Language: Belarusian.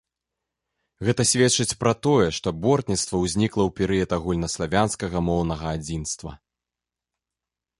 Гэта сведчыць пра тое, што бортніцтва ўзнікла ў перыяд агульнаславянскага моўнага адзінства.